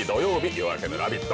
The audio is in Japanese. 「夜明けのラヴィット！」